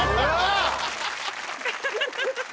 アハハハ。